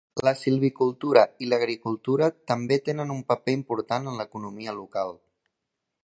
La silvicultura i l'agricultura també tenen un paper important en l'economia local.